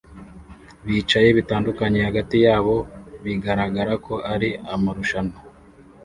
bicaye bitandukanye hagati yabo bigaragara ko ari amarushanwa